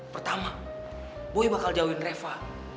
pertama boy bakal jauhin reva